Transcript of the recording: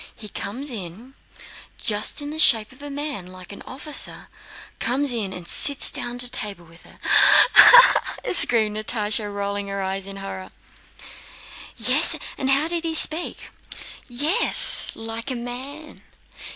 He comes in, just in the shape of a man, like an officer—comes in and sits down to table with her." "Ah! ah!" screamed Natásha, rolling her eyes with horror. "Yes? And how... did he speak?" "Yes, like a man.